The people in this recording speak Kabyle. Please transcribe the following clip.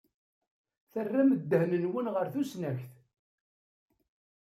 Terram ddehn-nwen ɣer tusnakt.